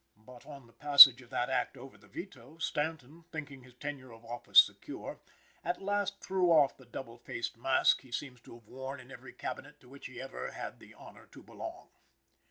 But, on the passage of that Act over the veto, Stanton, thinking his tenure of office secure, at last threw off the double faced mask he seems to have worn in every Cabinet to which he ever had the honor to belong.